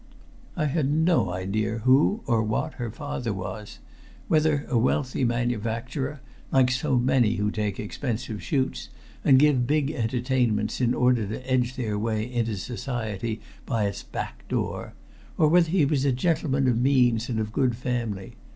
I had no idea who or what her father was whether a wealthy manufacturer, like so many who take expensive shoots and give big entertainments in order to edge their way into Society by its back door, or whether he was a gentleman of means and of good family.